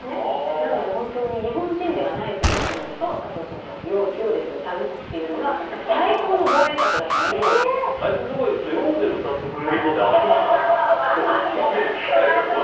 なので、本当に日本人ではないふりをするのとあと、ヨーデルを歌うというのがあいつのところ行くとヨーデル歌ってくれるぞで集まって。